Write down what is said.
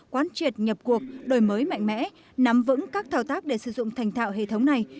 quán triệt nhập cuộc đổi mới mạnh mẽ nắm vững các thao tác để sử dụng thành thạo hệ thống này